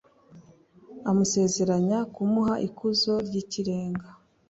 amusezeranya kumuha ikuzo ry'ikirenga